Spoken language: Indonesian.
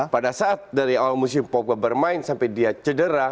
pada saat dari awal musim pogba bermain sampai dia cedera